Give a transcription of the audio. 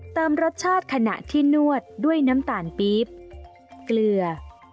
เติมรสชาติขณะที่นวดด้วยน้ำตาลปี๊บเกลือ